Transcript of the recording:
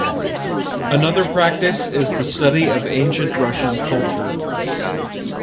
Another practice is the study of ancient Russian culture.